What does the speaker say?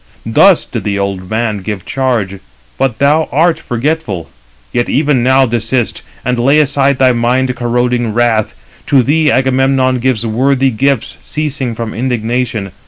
Thus did the old man give charge, but thou art forgetful. Yet even now desist, and lay aside thy mind corroding wrath. To thee Agamemnon gives worthy gifts, ceasing from indignation.